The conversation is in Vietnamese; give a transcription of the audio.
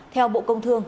theo bộ công thương